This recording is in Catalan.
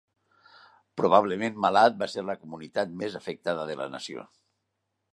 Probablement, Malad va ser la comunitat més afectada de la nació.